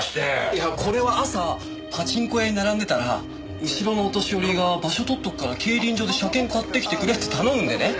いやこれは朝パチンコ屋に並んでたら後ろのお年寄りが「場所取っとくから競輪場で車券買ってきてくれ」って頼むんでね。